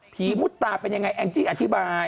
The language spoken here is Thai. ผีมุตตาเป็นยังไงแอมป์จิ๊กอธิบาย